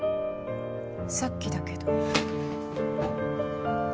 さっきだけど。